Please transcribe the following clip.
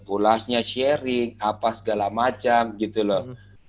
ulasnya sharing apa segala macam gitu loh